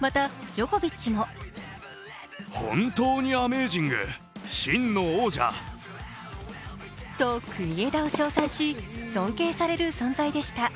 またジョコビッチもと、国枝を称賛し尊敬される存在でした。